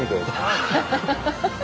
ハハハハ！